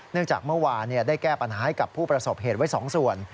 จากเมื่อวานได้แก้ปัญหาให้กับผู้ประสบเหตุไว้๒ส่วน